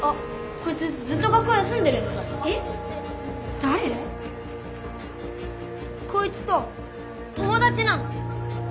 こいつと友だちなの？